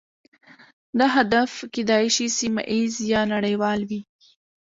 دا هدف کیدای شي سیمه ایز یا نړیوال وي